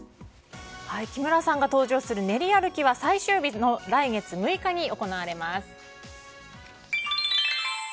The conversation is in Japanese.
木村さんが登場する練り歩きは最終日の来月６日に行われます。